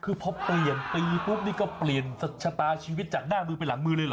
คือพอเปลี่ยนปีปุ๊บนี่ก็เปลี่ยนชะตาชีวิตจากหน้ามือไปหลังมือเลยเหรอ